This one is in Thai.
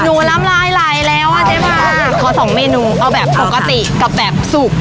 น้ำลายไหลแล้วอ่ะเจ๊บ้าขอสองเมนูเอาแบบปกติกับแบบสุก